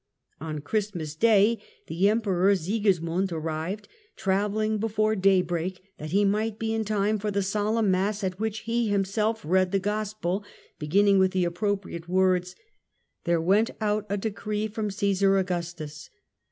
On Christmas Day the Emperor Sigismund arrived, travelling before day break that he might be in time for the solemn Mass, at which he himself read the Gospel, beginning with the appropriate words :" There went out a decree from Caesar Augustus